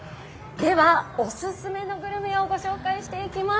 では、お勧めのグルメをご紹介していきます。